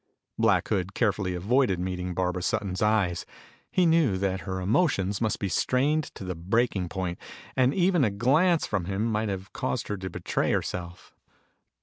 Black Hood carefully avoided meeting Barbara Sutton's eyes. He knew that her emotions must be strained to the breaking point, and even a glance from him might have caused her to betray herself.